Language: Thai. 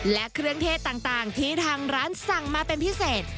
และเครื่องเทศต่างที่ทางร้านสั่งมาเป็นพิเศษ